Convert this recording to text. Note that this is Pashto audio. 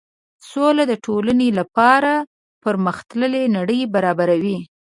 سوله د ټولنې لپاره پرمخ تللې نړۍ برابروي.